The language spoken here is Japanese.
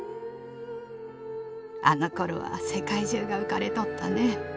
「あの頃は世界中が浮かれとったね。